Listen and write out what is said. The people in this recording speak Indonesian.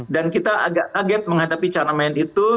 dan kita agak kaget menghadapi cara main itu